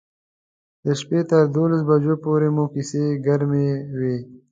د شپې تر دولس بجو پورې مو کیسې ګرمې وې.